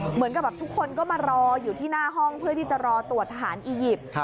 เหมือนกับแบบทุกคนก็มารออยู่ที่หน้าห้องเพื่อที่จะรอตรวจทหารอียิปต์